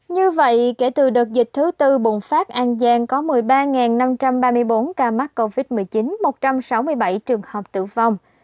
như vậy kể từ đợt dịch thứ tư bùng phát an giang có một mươi ba năm trăm ba mươi bốn ca mắc covid một mươi chín một trăm sáu mươi bảy trường hợp tử vong